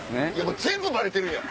全部バレてるやん。